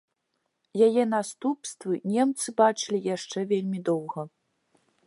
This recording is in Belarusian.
Яе наступствы немцы бачылі яшчэ вельмі доўга.